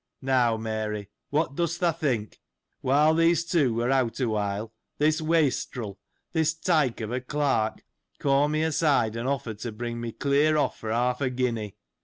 Now, Mary, what dost thou think? While these two were out, awhile, this wastril, this tyke of a clerk, called me aside, and offered to bring me clear off, for half a guinea.